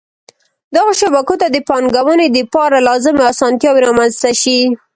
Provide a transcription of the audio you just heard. دغو شبکو ته د پانګوني دپاره لازمی اسانتیاوي رامنځته شي.